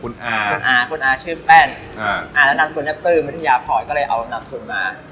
คุณอาคุณอาคุณอาชื่อแป้นอ่าอ่านำคุณแป้นปลื้มไม่ถึงยาพรอยก็เลยเอานำคุณมา